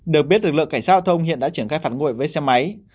được biết lực lượng cảnh sát hạ thông hiện đã triển khai phản ngội với xe máy